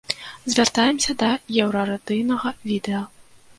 Звяртаемся да еўрарадыйнага відэа.